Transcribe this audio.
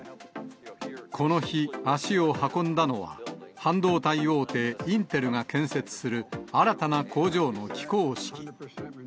この日、足を運んだのは、半導体大手、インテルが建設する新たな工場の起工式。